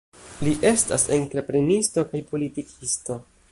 Li estas entreprenisto kaj politikisto.